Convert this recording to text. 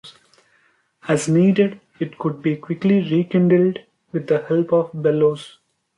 As needed it could be quickly rekindled with the help of bellows.